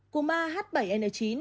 cúm a h bảy n chín